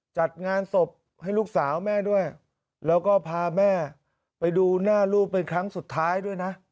จัดงานศพให้ลูกสาวแม่ด้วยแล้วก็พาแม่ไปดูหน้าลูกเป็นครั้งสุดท้ายด้วยนะ